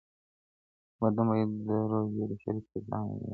بدن باید د روژې شرایطو ته ځان عیار کړي.